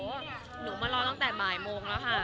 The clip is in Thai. หนูมารอตั้งแต่บ่ายโมงแล้วค่ะ